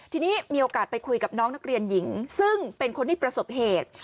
ทีนี้มีโอกาสไปคุยกับน้องนักเรียนหญิงซึ่งเป็นคนที่ประสบเหตุ